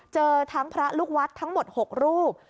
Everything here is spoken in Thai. เจอทั้งพระลูกวัดทั้งหมด๖รูป